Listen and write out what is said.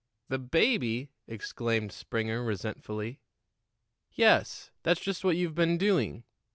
"The baby!" exclaimed Springer resentfully. "Yes; that's just what you've been doing.